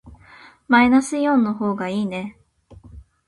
マイナスイオンの方がいいね。